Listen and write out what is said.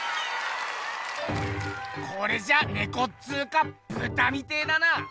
これじゃネコっつうかブタみてえだな！